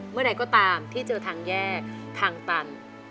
เมื่อใดก็ตามที่เจอทางแยกทางตัน